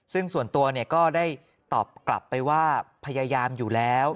ซึ่งส่วนตัวก็ได้ตอบกลับไปว่าพยายามอยู่แล้ว